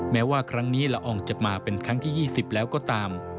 แม้ว่าครั้งนี้ละอองจะมาเป็นครั้งที่๒๐แล้วก็ตาม